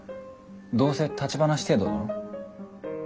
どうせ立ち話程度だろ？